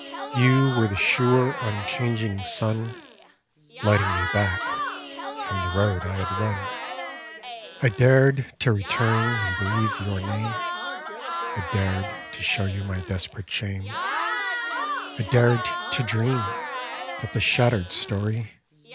You were the sure unchanging sun Lighting me back from the road I had run. [*5] AERE PERENNIUS I dared to return, and breathe your name, I dared to show you my desperate shame. I dared to dream that the shattered story.